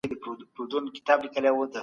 خلګ د لويې جرګي پرېکړو ته درناوی کوي.